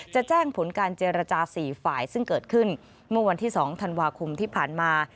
จะแจ้งผลการเจรจา๔ฝ่ายซึ่งเกิดขึ้นเมื่อวันที่๒ธันวาคมที่ผ่านมา